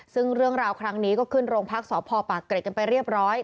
ซึ่งเรื่องราวครั้งนี้ก็ขึ้นโรงพักษพปากเกร็ดกันไปเรียบร้อย